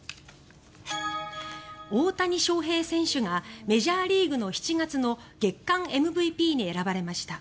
大谷翔平選手がメジャーリーグの７月の月間ＭＶＰに選ばれました。